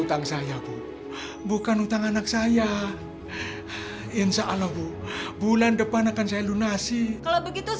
hutang saya bu bukan utang anak saya insya allah bu bulan depan akan saya lunasi kalau begitu